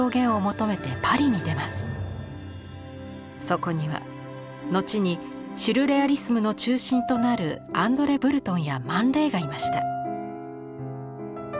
そこには後にシュルレアリスムの中心となるアンドレ・ブルトンやマン・レイがいました。